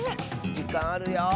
じかんあるよ。